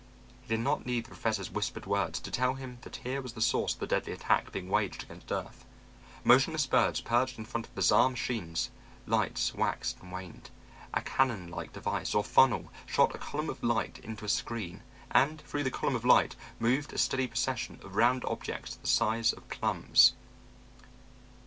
He did not need the Professor's whispered words to tell him that here was the source of the deadly attack being waged against earth. Motionless birds perched in front of bizarre machines; lights waxed and waned; a cannon like device, or funnel, shot a column of light into a screen, and through the column of light moved a steady procession of round objects the size of plums.